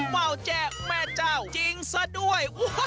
ว่าวแจ้แม่เจ้าจริงซะด้วย